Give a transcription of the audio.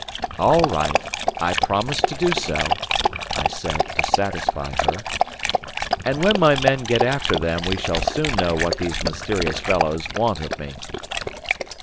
"All right; I promise to do so," I said, to satisfy her. "And when my men get after them, we shall soon know what these mysterious fellows want of me."